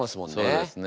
そうですね。